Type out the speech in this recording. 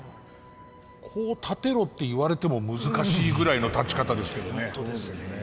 こう立てろって言われても難しいぐらいの立ち方ですけどね。